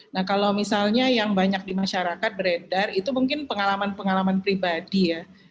nah kalau misalnya yang banyak di masyarakat beredar itu mungkin pengalaman pengalaman pribadi ya